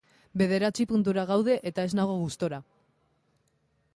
Bederatzi puntura gaude eta ez nago gustora.